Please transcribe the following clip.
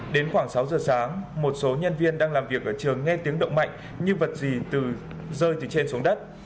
đến khoảng sáu giờ sáng một số nhân viên đang làm việc ở trường nghe tiếng động mạnh nhưng vật gì rơi từ trên xuống đất